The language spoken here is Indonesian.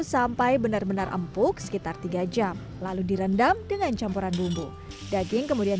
sampai benar benar empuk sekitar tiga jam lalu direndam dengan campuran bumbu daging kemudian